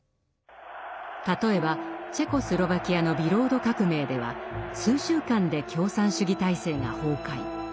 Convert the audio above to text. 例えばチェコスロバキアのビロード革命では数週間で共産主義体制が崩壊。